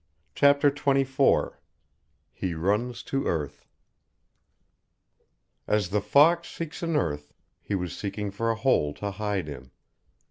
CHAPTER XXIV HE RUNS TO EARTH As the fox seeks an earth, he was seeking for a hole to hide in.